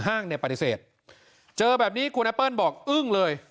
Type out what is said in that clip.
ห้างเนี่ยปฏิเสธเจอแบบนี้คุณแอปเปิ้ลบอกอึ้งเลย